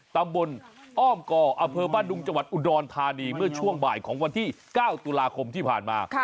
ตำบลอ้อมก่ออำเภอบ้านดุงจังหวัดอุดรธานีเมื่อช่วงบ่ายของวันที่๙ตุลาคมที่ผ่านมา